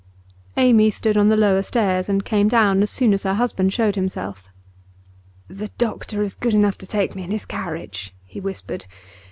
Amy stood on the lower stairs, and came down as soon as her husband showed himself. 'The doctor is good enough to take me in his carriage,' he whispered.